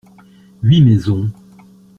Huit maisons.